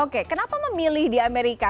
oke kenapa memilih di amerika